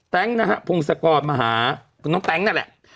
แต๊งค์ภูมิศกรมาหาน้องแต๊งค์นั่นแหละ